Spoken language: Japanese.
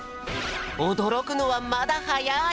おどろくのはまだはやい！